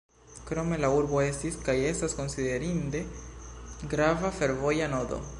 Krome la urbo estis kaj estas konsiderinde grava fervoja nodo.